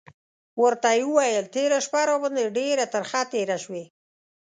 ورته یې وویل: تېره شپه راباندې ډېره ترخه تېره شوې.